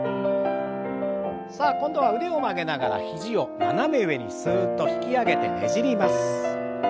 さあ今度は腕を曲げながら肘を斜め上にすっと引き上げてねじります。